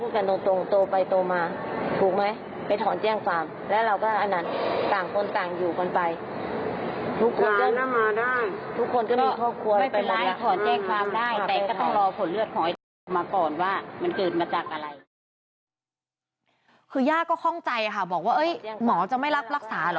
คือย่าก็คล่องใจค่ะบอกว่าหมอจะไม่รับรักษาเหรอ